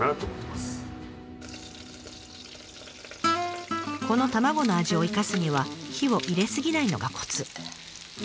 この卵の味を生かすには火を入れ過ぎないのがコツ。